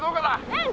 うん！